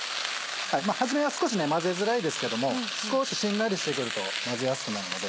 はじめは少し混ぜづらいですけども少ししんなりしてくると混ぜやすくなるので。